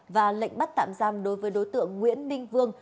và lệnh bắt tạm giam đối với đối tượng nguyễn minh vương